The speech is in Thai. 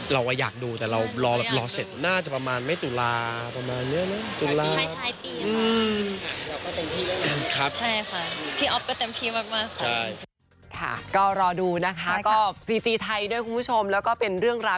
เราก็อยากดูแต่เรารอแบบรอเสร็จน่าจะประมาณไม่ตุลาประมาณเรื่องตุลา